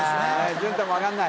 淳太も分かんない